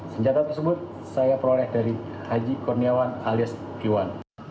senjata tersebut saya peroleh dari haji kurniawan alias iwan